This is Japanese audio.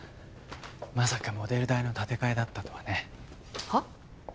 まさかモデル代の立て替えだったとはねはっ？